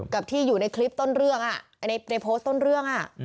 ที่อยู่ในคลิปต้นเรื่องในโพสต์ต้นเรื่อง